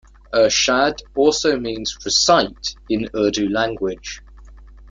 Ershad also means "recite" in Urdu language.